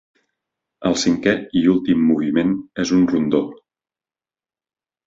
El cinquè i últim moviment és un rondó.